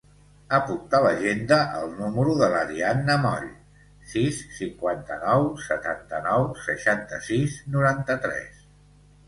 Apunta a l'agenda el número de l'Arianna Moll: sis, cinquanta-nou, setanta-nou, seixanta-sis, noranta-tres.